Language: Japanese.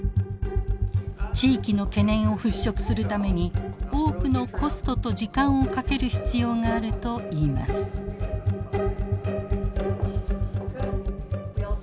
地域の懸念を払拭するために多くのコストと時間をかける必要があるといいます。